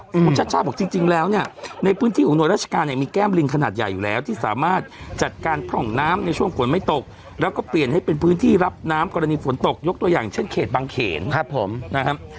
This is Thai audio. คุณชาติชาติบอกจริงแล้วเนี่ยในพื้นที่ของหน่วยราชการเนี่ยมีแก้มลิงขนาดใหญ่อยู่แล้วที่สามารถจัดการพร่องน้ำในช่วงฝนไม่ตกแล้วก็เปลี่ยนให้เป็นพื้นที่รับน้ำกรณีฝนตกยกตัวอย่างเช่นเขตบางเขนครับผมนะครับ